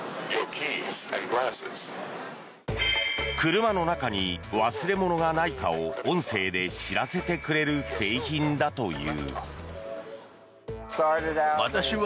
車の中に忘れ物がないかを音声で知らせてくれる製品だという。